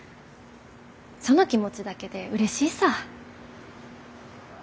その気持ちだけでうれしいさ。